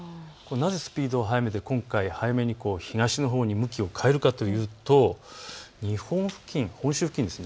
なぜスピードを速めて今回、東のほうへ向きを変えるかというと日本付近、本州付近です。